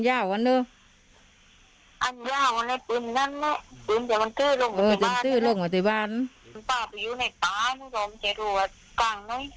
ป่าไปอยู่ในป่าไม่รู้ว่ามันจะรวดกลางไหม